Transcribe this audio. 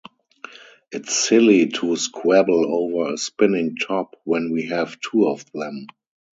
It's silly to squabble over a spinning top when we have two of them.